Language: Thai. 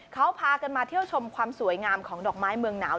เขาพากันมาเที่ยวชมความสวยงามของดอกไม้เมืองหนาว